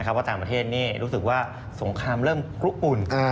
เพราะว่าต่างประเทศรู้สึกว่าสงครามเริ่มกลุ๊บอุ่น